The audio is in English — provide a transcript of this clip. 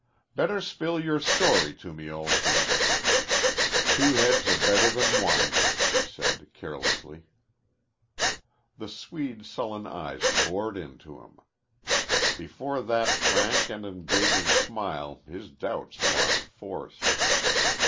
"Better spill your story to me, Olson. Two heads are better than one," he said carelessly. The Swede's sullen eyes bored into him. Before that frank and engaging smile his doubts lost force.